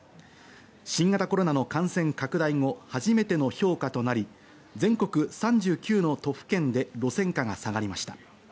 新型コロナの感染拡大後、初めての評価となり、全国３９の都府県で路線価が下がりました。